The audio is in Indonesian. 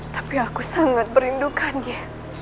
tapi aku sangat berindukan dia